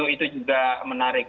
itu juga menarik